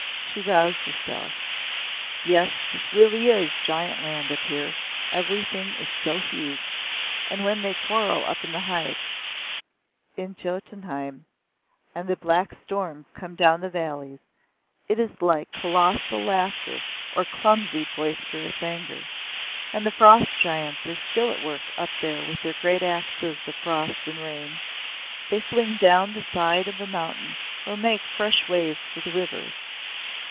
She roused herself. "Yes, this really is Giant Land up here everything is so huge. And when they quarrel up in the heights in Jotunheim and the black storms come down the valleys it is like colossal laughter or clumsy boisterous anger. And the Frost giants are still at work up there with their great axes of frost and rain. They fling down the side of a mountain or make fresh ways for the rivers.